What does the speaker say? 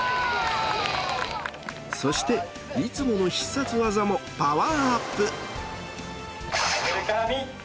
そしていつもの必殺技もパワーアップ。